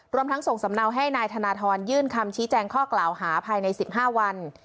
รวมทั้งส่งสำเนาให้นายธนทรยื่นคำชี้แจงข้อกล่าวหาภายใน๑๕วัน